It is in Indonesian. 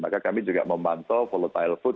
maka kami juga memantau